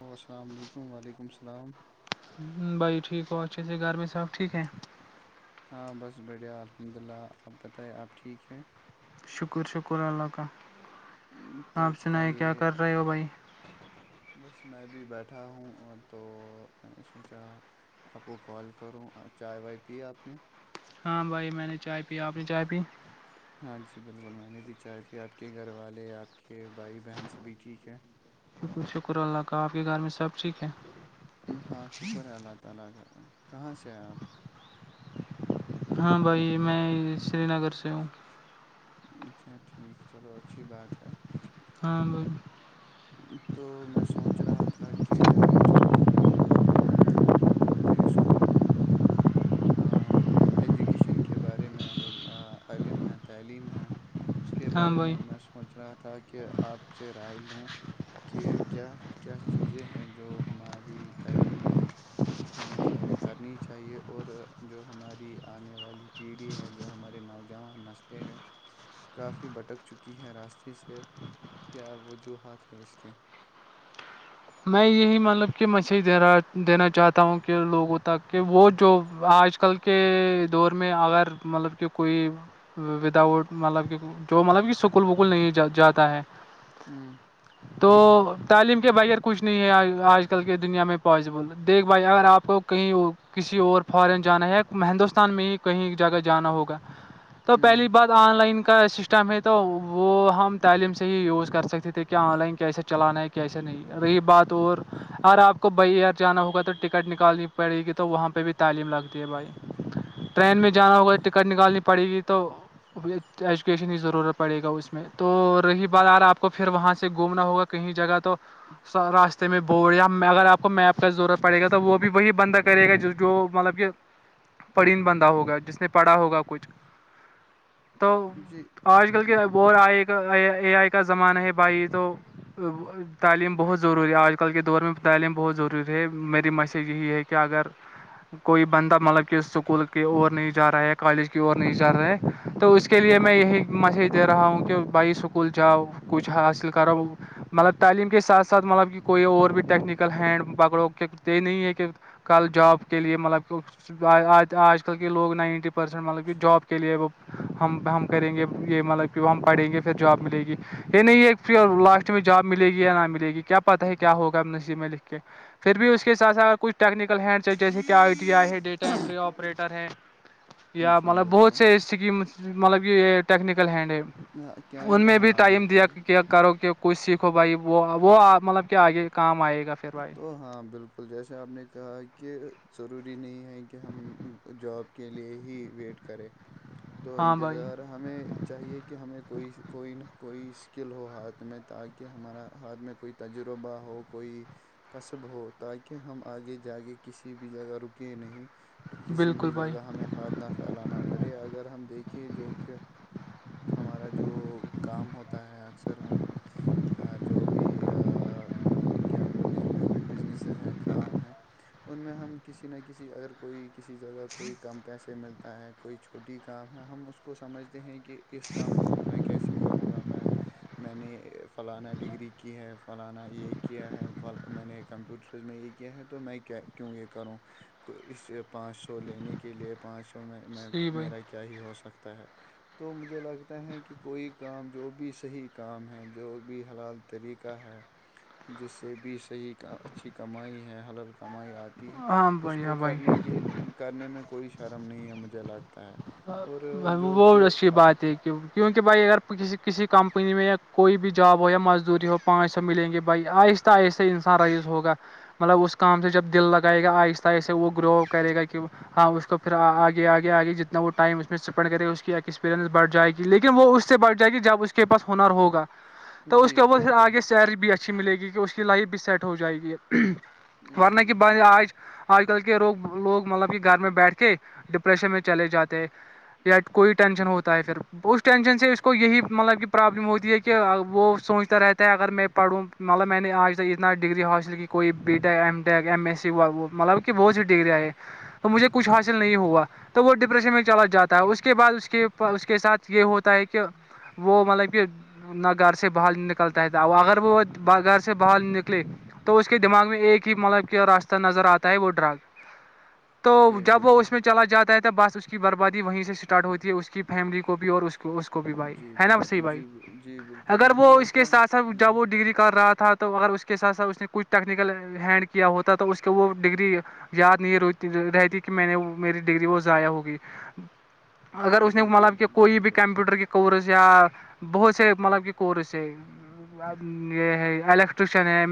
السلام علیکم و علیکم السلام بھائی ٹھیک ہو اچھے سے گھر میں سب ٹھیک ہے ہاں بس بڑھیا الحمد للہ آپ بتائیں آپ ٹھیک ہیں شکر شکر اللہ کا تو آپ سنائیں کیا بتائیے کر رہے ہو بھائی بس میں بھی بیٹھا ہوں تو میں نے سوچا آپ کو کال کروں چائے وائے پ ہے آپ نے ہاں بھائی میں نے چائے پی آپ نے چائے پی ہاں جی بالکل میں نے بھی چاہا پ آپ کے گھر والے آپ کے بھائی بہن سبھی ٹھیک ہیں شکر شکر اللہ کا آپ کے گھر میں سب ٹھیک ہے شکر ہے اللہ تعالی کہاں سے ہیں آپ ہاں بھائی میں سری نگر سے ہوں اچھا ٹھیک چلو اچھی بات ہے ہاں تو میں سوچ رہا تھا کہ جو کیا بولتے ہیں اس کو ہم ایجوکیشن کے بارے میں جو علم ہے تعلیم ہے اس کے ہاں بارے میں بھائی میں سوچ رہا تھا کہ آپ سے رائے لوں کہ کیا کیا چیزیں ہیں جو ہماری تعلیم میں ہمیں کرنی چاہیے اور جو ہماری آنے والی پیڑھی ہے جو ہمارے نوجوان نسلیں ہے کافی بھٹک چکی ہیں راستے سے کیا وجوہات ہیں اس کے میں یہی مطلب کہ مسیج دے رہا دینا چاہتا ہوں کہ لوگوں تک کہ وہ جو آج آج کل کے دور میں اگر مطلب کہ کوئی ودؤٹ مطلب کی جو مطلب کہ سکول وکل نہیں جاتا ہے ہاں تو تعلیم کے بغیر کچھ نہیں ہے آج کے دنیا میں پاسبل دیکھ بھائی اگر آپ کو کہیں کسی اور فارن جانا ہے یا ہندوستان میں ہی کہیں جگہ جانا ہوگا تو پہلی ہوں بات آن لائن کا سسٹم ہے تو وہ ہم تعلیم سے ہی یوز کر سکتے تھے کیا آن لائن کیسے چلانا ہے کیسے نہیں رہی بات اور اگر آپ کو بائی ایئر جانا ہوگا تو ٹکٹ نکالنی پڑے گی تو وہاں پہ بھی تعلیم لگتی ہے بھائی ٹرین میں جانا ہوگا ٹکٹ نکالنی پڑے گی تو ایجوکیشن کی ضرورت پڑے گا اس میں تو رہی بات آ رہا آپ کو پھر وہاں سے گھومنا ہوگا کہیں جگہ تو راستے میں بور یا اگر آپ کو میپ کا ضرورت پڑے گا تو وہ بھی وہی بندہ کرے گا جو مطلب کہ پڑین بندہ ہوگا جس نے پڑھا ہوگا کچھ تو جی آج کل کے ب آئے اے آئی کا زمانہ ہے بھائی تو تعلیم بہت ضروری ہے آج کل کے دور میں تعلیم بہت ضروری ہے میری میسیج یہی ہے کہ اگر کوئی بندہ مطلب کہ اسکول کی اور نہیں جا رہا ہے کالج کی اور نہیں جا رہا ہے تو اس کے کے لیے ہوں میں یہی میسیج دے رہا ہوں کہ بھائی سکول جاؤ کچھ حاصل کرو مطلب تعلیم کے ساتھ اس ساتھ مطلب کہ کوئی اور بھی ٹیکنیکل ہینڈ پکڑو کہ تو یہ نہیں ہے کہ کل جاب کے لیے مطلب ج آج کل کے لوگ نائنٹی پرسنٹ مطلب کہ جاب کے لیے وہ ہم ہم کریں گے یہ مطلب کہ وہ ہم پڑھیں گے پھر جاب ملے گی یہ نہیں پ لاسٹ میں جاب ملے گی یا نہ ملے گی کیا پتاہ ہے کیا ہوگا ہم نصیب میں لکھ کے پھر بھی اس کے ساتھ اگر کچھ ٹیکنیکل ہینڈ چ جیسے کہ آئی ٹی آئی ہے ڈیٹا انٹری آپریٹر ہے یا جی مطلب بہت بالکل سے سکیم مطلب کہ یہ ٹیکنیکل ہینڈ ہے ہاں کیا ان میں بھی ہاں ٹائم دیا بالکل کیا کرو کہ کچھ سیکھو بھائی وہ وہ مطلب کہ آگے کام آئے گا پھر بھائی تو ہاں بالکل جیسے آپ نے کہا کہ ضروری نہیں ہے کہ ہم جاب کے لیے ہی ویٹ کرے تو ہاں بھائی انتظار ہمیں چاہیے کہ ہمیں کوئی کوئی نہ کوئی اسکل ہو ہاتھ میں تاکہ ہمارا ہاتھ میں کوئی تجربہ ہو کوئی کصب ہو تاکہ ہم آگے جا کے کسی بھی جگہ رکیں نہیں کہ کسی بالکل بھی بھائی جگہ ہمیں ہاتھ نہ پھیلانا پڑے اگر ہم دیکھییں جو کہ ہمارا جو کام ہوتا ہے اکثر ہم ہ جو بھی کیا بول جو بھی بزنسز ہیں کام ہے ان میں ہم کسی نہ کسی اگر کوئی کسی جگہ کوئی کم پیسے ملتا ہے کوئی چھوٹی کام ہے ہم اس کو سمجھتے ہیں کہ اس کام کو میں کیسے کروں گا میں میں نے فلانا ڈگری کی ہے فلانا اے کیا ہے میں نے کمپیوٹرز میں یہ کیا ہے تو میں کیا کیوں یہ کروں اس پانچ سو لینے کے لیے پانچ سو میں صحیح بھائی میرا کیا ہی ہو سکتا ہے تو مجھے لگتا ہے کہ کوئی کام جو بھی صحیح کام ہے جو بھی حلال طریقہ ہے جس سے بیس صحیح اچھی کمائی ہے حلل کمائی آتی ہے ہاں اس بھائی کو ہاں بھائی کرنے کے لیے کرنے میں کوئی شرم نہیں ہے مجھے لگتا ہے اور جو وہ کہ اچھی بات ہے کیونکہ بھائی اگر کسی کسی کمپنی میں یا کوئی بھی جاب ہو یا مزدوری ہو پانچ سو ملیں گے بھائی آہست آہستہ انسان رئیز ہوگا مطلب اس کام سے جب دل لگائے گا آہستہ آہستہ وہ گرو کرے گا کہ ہاں اس کو پھر آگے آگے آگے جتنے نہ وہ ٹائم اس میں اسپینڈ کرے گ ا اس کی ایکسپیئنس بٹ جائے گی لیکن وہ اس سے بھ جائے گی جب اس کےاس ہنر ہوگا تو اس جی کے اوھر بالکل آگے سیرج بھی اچھی ملے گی کہ اس کی لائف بھی سیٹ ہو جائے گی جی ورنہ کہ بند آج آج کل کے روگ لوگ مطلب کہ گھر میں بیٹھ کے ڈپریشن میں چل جاتے یا کوئی ٹینشن ہوتا ہے پھر اس ٹینشن سے اس کو یہی مطلب کہ پرابلم ہوتی ہے کہ وہ سوچتا رہتا ہے اگر میں پڑھوں مطلب میں نے آج تک اتنا ڈگری حاصل کی کوئی B tech M tech M S C وال وہ مطلب بہت سی ڈگریاں ہے تو مجھے کچھ حاصل نہیں ہوا تو وہ ڈپریشن میں چلا جاتا اس کے بعد اس کے اس کے ساتھ یہ ہوتا ہے کہ وہ مطلب کہ نہ گھر سے باہر نکلتا ہے تھا اگر وہ گھر سے باہر نکلے تو اس کے دماغ میں ایک ہی مطلب کہ راستہ نظر آتا ہے وہ ڈرگ تو جی جب وہ بالکل اس میں چلا جاتا ہے تو بس اس کی بربادی وہیں سے اسٹارٹ ہوتی ہے اس کی فیملی کو بھی اور اس اس کو بھی بھائی جی ہے نا صی بالکل بھائی جی جی بالکل اگر وہ مجھے اس کے لگتا ساتھ ساتھ ہے جی جب وہ ڈگری کر رہا تھا تو تو اگر اس کے سھ سھ اس نے کچھ ٹیکنیکل ہینڈ کیا ہوتا تو اس کے وہ ڈگری یاد نہیںتی رہتی کہ میں نے میری ڈگری وہ ضائع ہوگی اگر اس نے جی مطلب کہ بالکل جی کوئی بھی بالکل کمپیوٹر کے کورس یا بہت سے مطلب کی کورس ہے یہ ہے الیکٹریشن ہے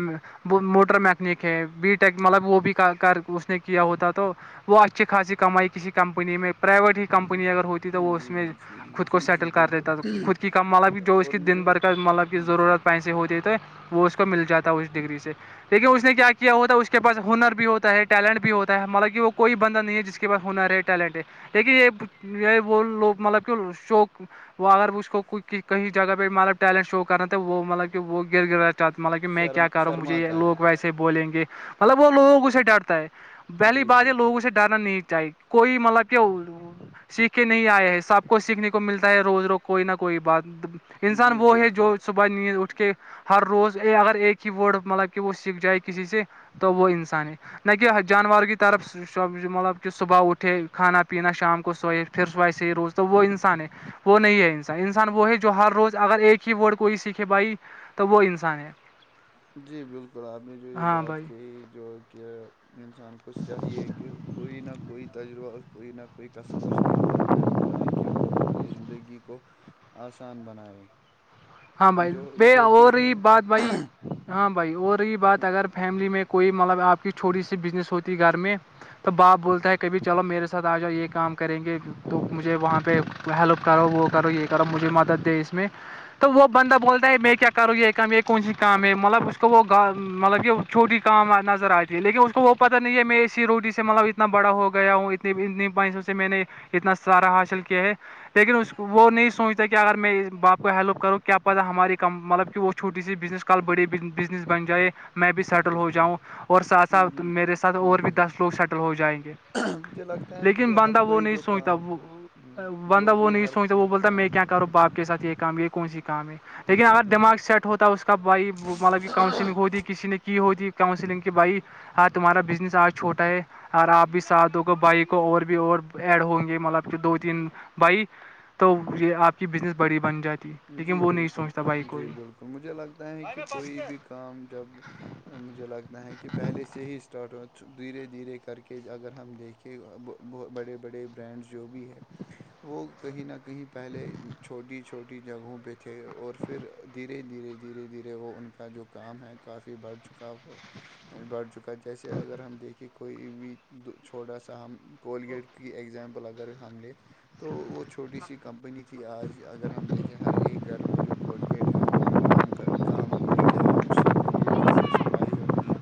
موٹر میکینک ہے بی ٹیک مطلب وہ بھی کر اس نے کیا ہوتا تو وہ اچھی خاصی کمائی کسی کمپنی میں پرائیویٹ کمپنی اگر ہوتی تو وہ اس جی میں جی خود کو جی جی سیٹل کر دیتا تھا بالکل خود کی کم مطلب جو اس اور کی دن مجھے بھر کا مطلب جی ضرورت پیسے ہوتی تو وہ اس کو مل جاتا ہے اس ڈگری سے لیکن اس نے کیا ہوتا ہے اس کے پاس ہنر بھی ہوتا ہے ٹیلنٹ بھی ہوتا ہے مطب کہ وہ کوئی بندہ نہیں ہے جس کے کے پاس ہونر ہے ٹیلنٹ ہے لیکن یہ یہ وہ لوگ مطلب کہ شوک وہ اگر اس کو کہیں جگہ پہ مطلب ٹیلنٹ شو کرنا تھا وہ مطلب کہ وہ گر گرا مطلب کہ میں شرم کیا کروں مجھے یہ شرماتا ہے لوگ ویسے بولیں گے مطلب وہ لوگ اسے ڈرتا ہے پہلی جی بار یہ لوگوں بالکل سے ڈرنا نہیں چاہی کوئی مطلب کہ سیکھے نہیں آئے ہے سب کو سیکھنے کو ملتا ہے روز روز کوئی نہ کوئی بات انسان جی وہ ہے بالکل جو ب نیند اٹھ کے ہر روز اے اگر ایک ہی ورڈ مطلب کہ وہ سیکھ جائے کسی سے تو وہ انسان ہے نہ کہ جانور کی طرف مطلب کہ صبح اٹھے کھانا پینا شام کو سوئے پھر سوائے سحی روز تو وہ انسان ہے وہ نہیں ہے انسان انسان وہ ہے جو ہر روز اگر ایک ہی ورڈ کوئی سیکھے بھائی تو وہ انسان ہے جی بالکل آپ نے جو یہ ہاں بات بھائی کہی جو کہ انسان کو چاہیے کہ کوئی نہ کوئی تجربہ کوئی نہ کوئی قسب کے ہاتھ میں ہو تاکہ وہ اپنی زندگی کو آسان بنائے ہاں بھائی جو ب جو کہ ہو اس نے رہی بات بھائی ہاں بھائی اور رہی بات اگر فیملی میں کوئی مطلب آپ کیھوٹی سی بزنس ہوتی ہے گھر میں تو باپ بولتا ہے کبھی چلو میرے ساتھ آ جاؤ یہ کام کریں گے تو مجھے وہاں پہ ہیلپ کرو وہ کرو یہ کرو مجھے مدد دے اس میں تو وہ بندہ بولتا ہے میں کیا کروں یہ کام یہ کون سی کام ہے مطلب اس کو وہا مطلب کہ چھوٹی کام نظر آتی ہے لیکن اس کو وہ پتا نہیں ہے میں اسی روٹی سے مطلب اتنا بڑا ہو گیا ہوں اتنی اتنیسوں سے میں نے اتنا ستہارا حاصل کیا ہے لیکن وہ نہیں سوچتا کہ اگر میں باپ کو ہیلوپ کرو کیا پتا ہماری کم مطلب کہ وہ چھوٹی سی بزنس کل بڑے بزنس بن جائے میں بھی جی سیٹل ہو بالکل جاؤں اور ساتھ جی ساتھ میرے ساتھ اور بھی جی دس لوگ سیٹل ہو جائیں گے مجھے لگتا ہے لیکن کہ ہر بندہ وہ کوئی نہیں جو سوچتا کام وہ جو بندہ وہ بھی نہیں ہر سوچتا وہ کوئی بولتا میں کام کیا کروں باپ کے سات یہ کام یہ کون سی کام ہے لیکن جی اگر دماغ بالکل سیٹ ہوتا اس کا بھائی مطلب کہ کاؤنسلنگ ہوتی کسی نے کی ہوتی کاؤنسلنگ کی بھائی ہاں تمہارا بزنس آج چھوٹا ہے اور آپ بھی سات دو کو بائی کو اور بھی اور ایڈ ہوں گے مطلب کہ دو تین بائی تو یہ آپ کی بزنس بڑی بن جاتی ہے جی بالکل جی بالکل مجھے لگتا ہے کہ کوئی بھی کام جب مجھے لگتا ہے کہ پہلے سے ہی اسٹارٹ ہوا دھیرے دھیرے کر کے اگر ہم دیکھیں کے بڑے بڑے برانڈس جو بھی ہے وہ کہیں نہ کہیں پہلے چھوٹی چھوٹی جگہوں پہ تھے اور پھر دھیرے دھیرے دھیرے دھیرے وہ ان کا جو کام ہے کافی بڑھ چکا کا بڑھ چکا ہے جیسے اگر ہم دیکھیں کوئی بھی چھوٹا سا ہم کوولگیٹ کی اگزامپل اگر ہم لے تو وہ چھوٹی سی کمپنی تھی آج اگر ہم دیکھے ہر ایک گھر میں جو کولگیٹ ہے ہم کام کام لیتے ہیں ہم اس سے کو کو گیٹ کی سے صفائی ہوتی ہے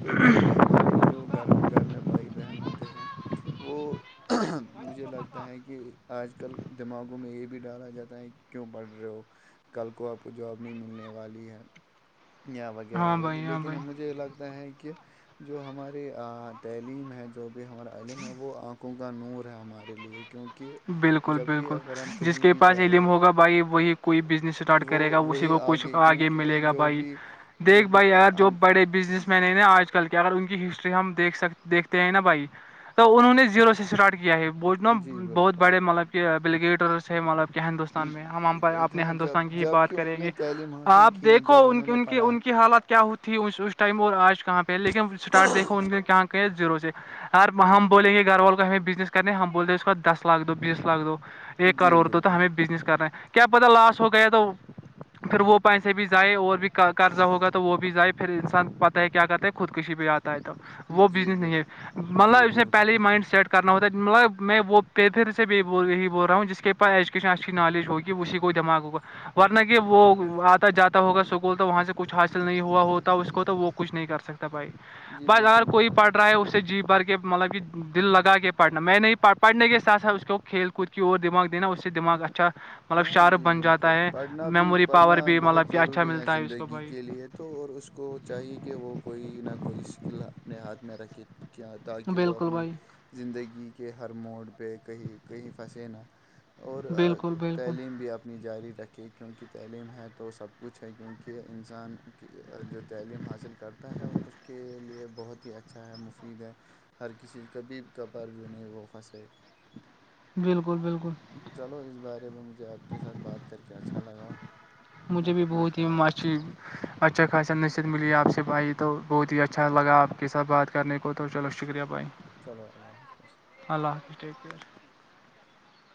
تو جو بھی ہمارے جو گھر گھر میں بھائی بہن ہوتے ہیں وہ مجھے لگتا ہے کہ آج کل دماغوں میں یہ بھی ڈالا جاتا ہے کہ کیوں پڑھ رہے ہو کل کو آپ کو جاب نہیں ملنے والی ہے یا وغیرہ ہاں وغیرہ بھائی ہاں لیکن بھائی مجھے لگتا ہے کہ جو ہماری تعلیم ہے جو بھی ہمارا علم ہے وہ آنکھ وں کا نور ہے ہمارے لیے کیونکہ بالکل جب بھی بالکل اگر ہم جس کہیں کے بھی پاس یہ ع جائیں للم ہوگا بھائی وہی کوئی بزنس اسٹارٹ وہ کرے گا اسی وہی کو کچھ آگے کیونکہ ملے گا جو بھائی بھی جو دیکھ بھی بھائی اگر جو بڑے بزنس مین ہے نا آج کل کے اگر ان کی ہسٹری ہم دیکھ سک دیکھتے ہیں نا بھائی تو انہوں نے زیرو سے اسٹارٹ کیا ہے بوجنا جی بہت بالکل بڑے مطلب کہ بلیگیٹرس ہیں مطلب کہ ہندوستان میں ہم اپنے ہاں جب ہندوستان کی ہی جب بات کہ کریں انہوں نے گے تعلیم حاصل آپ کی ہیں دیکھو جب ان انہوں نے ان کی پڑھا ان کی حالات کیا ہوتیھی اس ٹائم اور آج کہاں پہ لیکن اسٹارٹ دیکھو ان کہاں کہ زیرو سے ار ہم بولیں گے گھر وال کو ہمیں بزنس کرنے ہیں ہم بولتے ہیں اس کا دس لاکھ دو بیس لاکھ دو ہے ایک جی کروڑ تو تو ہمیں بالکل بزنس کر رہے ہیں کیا پتا لاس ہو گیا تو پھر وہ پیسے بھی جائے اور بھی قرضہ ہوگا تو وہ بھی جائے پھر انسان پ ہے کیا کرتا ہے خود کشی بھی آتا ہے تو وہ جی بزنس بال نہیں ہے مطلب جی اس نے بالکل پہل ہی مائنڈ سیٹ کر کرنا ہوتا ہے مطلب میں وہ پہ پھر سے بھی یہی بول رہا ہوں جس کے پاس ایجوکیشن اچھی نالج ہوگی اسی کو دماغ ہوگا ورنہ کہ وہ آتا جاتا ہوگا سکول تو وہاں سے کچھ حاصل نہیں ہوا ہوتا اس کو تو وہ کچھ نہیں کر سکتا بھائی جی بس اگر بالکل کوئی پڑ رہا ہے اس سے جی بھر کے مطلب کہ دل لگا کے پڑھنا میں نہیں پڑنے کے ساتھ سھ اس کو کھیل کود کی اور دماغ دینا اس دماغ اچھا مطلب ہاں شارپ جی بن جاتا بالکل ہے پڑھنا بھی میموری پڑھنا پاور بھی بہت مطلب کہ اچھا ضروری ملتا ہے اس کو زندگی بھائی کے لیے تو اور اس کو چاہیے کہ وہ کوئی نہ کوئی سکل اپنے ہاتھ میں رکھے کے تاکہ وہ بالکل اپنی بھائی زندگی کے ہر موڈ پہ کہیں کہیں پھنسے نہ اور بالکل بالکل تعلیم بھی آپ جاری رکھے کیونکہ تعلیم ہے تو سب کچھ ہے کیونکہ انسان کی جو تعلیم حاصل کرتا ہے اس کے لیے بہت ہی اچھا ہے مفید ہے ہر کسی کبھی کبھار بھیوں نہیںیں وہ پھنسے بالکل بالکل چلو اس بارے میں مجھے آپ کے ساتھ بات کر کے اچھا لگا مجھے آپ بھی اپنا بہت ہی خیال رکھیں مشی اچھا خاصہ نصیحت ملی آپ سےفائی تو بہت ہی اچھا لگا آپ کے ساتھ بات کرنے کو تو چلو شکریہ بھائی چلو اللہ حافظ اللہ حافظٹھیک